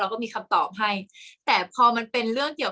กากตัวทำอะไรบ้างอยู่ตรงนี้คนเดียว